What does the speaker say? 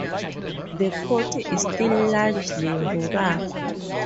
The county is still largely rural.